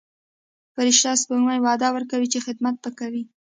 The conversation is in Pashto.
فرشته سپوږمۍ وعده ورکوي چې خدمت به کوي.